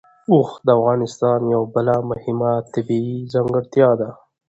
اوښ د افغانستان یوه بله مهمه طبیعي ځانګړتیا ده.